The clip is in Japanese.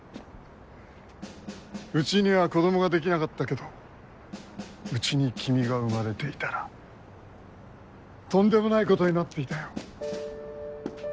うちには子供ができなかったけどうちに君が生まれていたらとんでもないことになっていたよ。